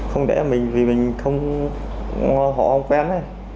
họ không quen